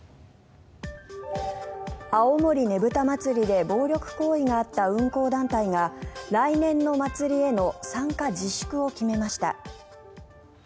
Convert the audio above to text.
青森ねぶた祭で暴力行為があった運行団体が来年の祭りへの参加自粛を決めました。